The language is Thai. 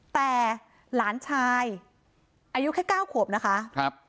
แต่หลานชายอายุแค่๙ขวบนะคะครับ